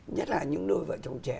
nhất là những đôi vợ chồng trẻ